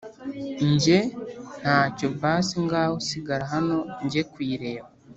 njye: ntacyo basi ngaho sigara hano njye kuyirebera!